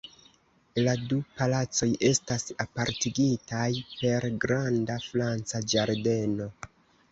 La du palacoj estas apartigitaj per granda franca ĝardeno.